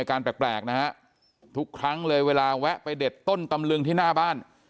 การแปลกนะฮะทุกครั้งเลยเวลาแวะไปเด็ดต้นตำลึงที่หน้าบ้าน